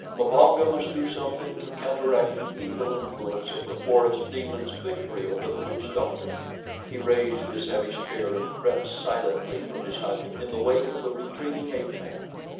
Mbonga must do something to counteract the evil influence of the forest demon's victory over the witch doctor. He raised his heavy spear and crept silently from his hut in the wake of the retreating ape man.